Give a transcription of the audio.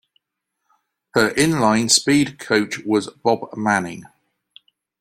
Her inline speed coach was Bob Manning.